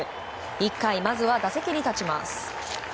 １回、まずは打席に立ちます。